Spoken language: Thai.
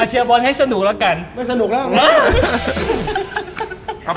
อ่ะเชื่อบอลให้สนุกละกัน